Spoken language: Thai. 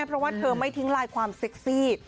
เพราะว่าเธอไม่ทิ้งลายความเซ็กซี่